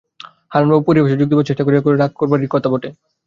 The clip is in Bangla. হারানবাবু পরিহাসে যোগ দিবার চেষ্টা করিয়া কহিলেন, রাগ করবারই কথা বটে।